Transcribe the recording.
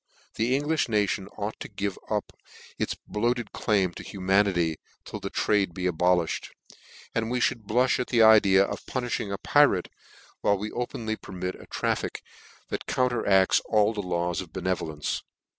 The Englim nation ought to give up its boafted claim to humanity, till this trade be abolifhed ; and we fhould blulh at the idea of puniihing a pirate, while we openly permit a traffic that counteracts all the laws of benevolence.